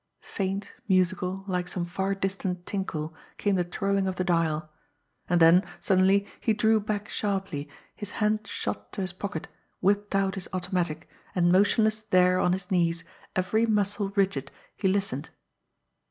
Faint, musical, like some far distant tinkle, came the twirling of the dial and then, suddenly, he drew back sharply, his hand shot to his pocket, whipped out his automatic, and, motionless there on his knees, every muscle rigid, he listened.